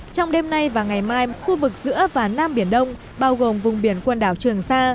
trong đêm nay và ngày mai khu vực giữa và nam biển đông bao gồm vùng biển quần đảo trường sa